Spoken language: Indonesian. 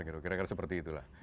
kira kira seperti itulah